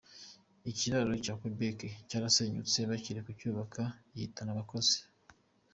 ikiraro cya Quebec cyarasenyutse bakiri kucyubaka gihitana abakozi .